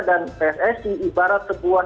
dan pssi ibarat sebuah